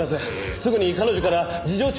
すぐに彼女から事情聴取を。